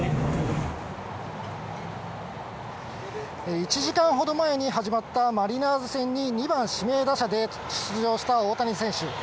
１時間ほど前に始まったマリナーズ戦に２番・指名打者で出場した大谷選手。